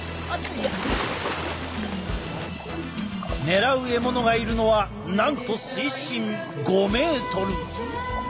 狙う獲物がいるのはなんと水深５ｍ。